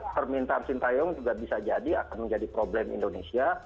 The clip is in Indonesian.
permintaan sintayong juga bisa jadi akan menjadi problem indonesia